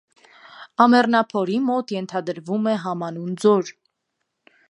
Ամեռնափորի մոտ ենթադրվում է համանուն ձոր։